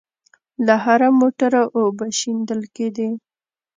له هره موټره اوبه شېندل کېدې.